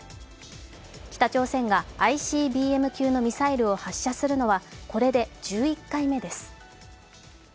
北朝鮮がＩＣＢＭ級のミサイルを発射するのはこれで１１回目です。